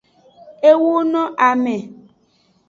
E wo na ame.